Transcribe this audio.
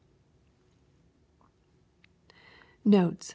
Notes.